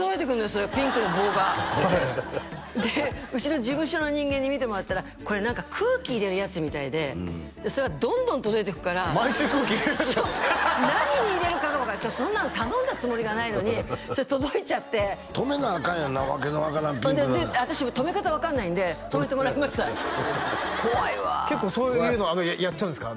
それがピンクの棒がでうちの事務所の人間に見てもらったらこれ何か空気入れるやつみたいでそれがどんどん届いてくるから毎週空気入れるやつがハハハハ何に入れるかがそんなの頼んだつもりがないのにそれ届いちゃって止めなアカンやん訳の分からんピンク私も止め方分かんないんで止めてもらいました怖いわ結構そういうのやっちゃうんですか？